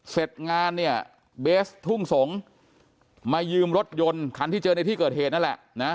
เสร็จงานเนี่ยเบสทุ่งสงศ์มายืมรถยนต์คันที่เจอในที่เกิดเหตุนั่นแหละนะ